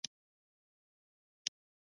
مصنوعي ځیرکتیا د اخلاقي شعور اړتیا زیاتوي.